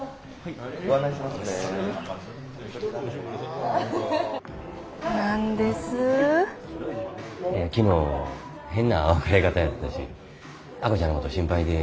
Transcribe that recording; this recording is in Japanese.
いや昨日変な別れ方やったし亜子ちゃんのこと心配で。